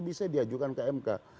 bisa diajukan ke mk